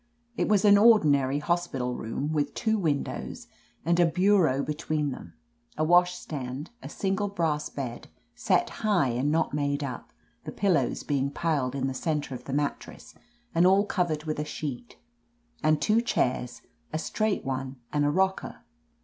It was an ordinary hospital room, with two windows, and a bureau be tween them, ^ washstand, a single brass bed, set high and not made up, the pillows being piled in the center of the mattress and all cov ered with a sheet, and two chairs, a straight one and a rocker.